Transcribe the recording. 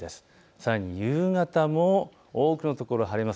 さらに夕方も多くの所、晴れます。